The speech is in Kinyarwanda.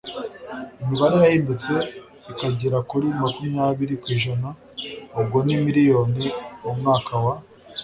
imibare yahindutse ikagera kuri makumyabiri kw'ijana (ubwo ni miliyoni ) mu mwaka wa